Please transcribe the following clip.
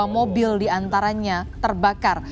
lima mobil diantaranya terbakar